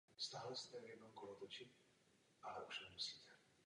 Byl zaměřený zejména na začínající uživatele počítačů.